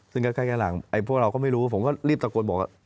ซึ่งก็ใกล้หลังพวกเราก็ไม่รู้ผมก็รีบตะโกนบอก